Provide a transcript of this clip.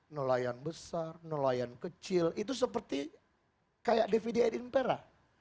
nelayan besar nelayan kecil itu seperti kayak dvd edi empera